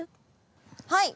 はい！